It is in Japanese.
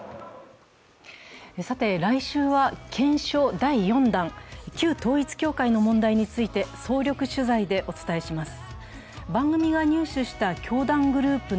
来週は検証第４弾、旧統一教会の問題について総力取材でお伝えします。